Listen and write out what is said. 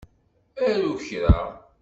Aru kra.